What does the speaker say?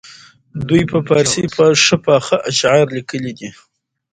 دوی په فارسي ښه پاخه اشعار لیکلي دي.